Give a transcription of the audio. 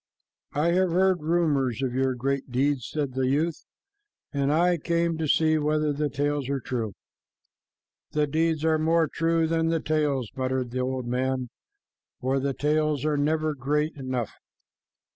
"I have heard rumors of your great deeds," said the youth, "and I came to see whether the tales are true." "The deeds are more true than the tales," muttered the old man, "for the tales are never great enough.